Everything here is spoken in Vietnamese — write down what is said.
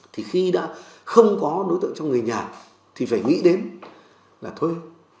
thì khi đã không có đối tượng trong người nhà thì phải nghĩ đến là thuê